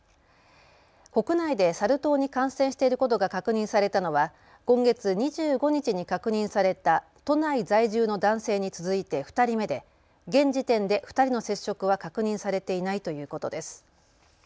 国内でサル痘に感染していることが確認されたのは今月２５日に確認された都内在住の男性に続いて２人目で現時点で２人の接触は確認されていないということです。